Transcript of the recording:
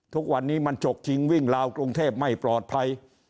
ทุกวันนี้มันฉกจริงวิ่งราวกรุงเทพไม่ปลอดภัย